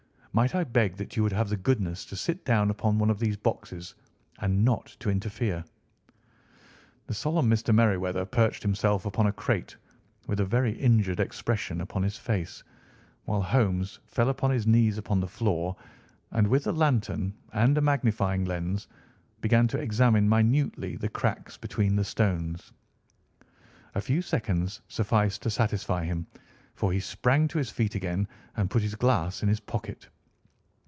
Might I beg that you would have the goodness to sit down upon one of those boxes, and not to interfere?" The solemn Mr. Merryweather perched himself upon a crate, with a very injured expression upon his face, while Holmes fell upon his knees upon the floor and, with the lantern and a magnifying lens, began to examine minutely the cracks between the stones. A few seconds sufficed to satisfy him, for he sprang to his feet again and put his glass in his pocket.